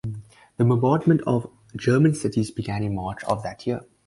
The bombardment of German cities began in March of that year.